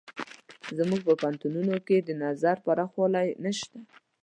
زموږ په پوهنتونونو کې د نظر پراخوالی نشته.